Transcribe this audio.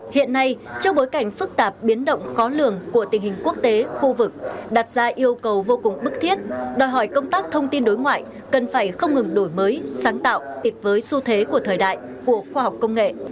hiện nay trong bối cảnh phức tạp biến động khó lường của tình hình quốc tế khu vực đặt ra yêu cầu vô cùng bức thiết đòi hỏi công tác thông tin đối ngoại cần phải không ngừng đổi mới sáng tạo tiếp với xu thế của thời đại của khoa học công nghệ